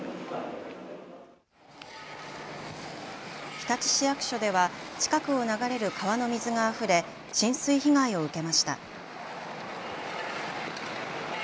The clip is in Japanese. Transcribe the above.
日立市役所では近くを流れる川の水があふれ浸水被害を受けました。